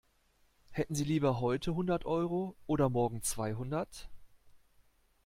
Hätten Sie lieber heute hundert Euro oder morgen zweihundert?